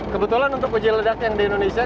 kebetulan untuk uji ledak yang di indonesia